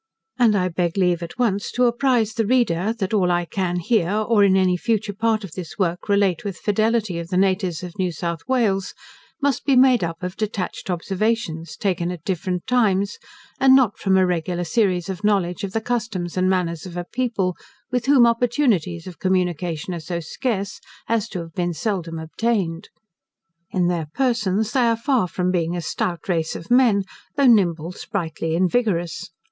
And I beg leave at once, to apprize the reader, that all I can here, or in any future part of this work, relate with fidelity of the natives of New South Wales, must be made up of detached observations, taken at different times, and not from a regular series of knowledge of the customs and manners of a people, with whom opportunities of communication are so scarce, as to have been seldom obtained. In their persons, they are far from being a stout race of men, though nimble, sprightly, and vigorous.